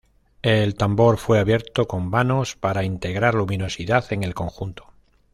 El tambor fue abierto con vanos para integrar luminosidad en el conjunto.